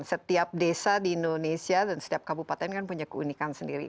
setiap desa di indonesia dan setiap kabupaten kan punya keunikan sendiri